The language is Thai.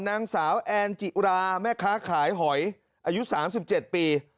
นางสาวแอลจิราแม่ค้าขายหอยอายุสามสิบเจ็ดปี